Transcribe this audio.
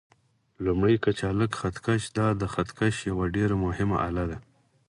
لومړی: کچالک خط کش: دا د خط کشۍ یوه ډېره مهمه آله ده.